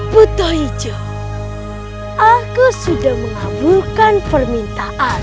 puto ijo aku sudah mengabulkan permintaan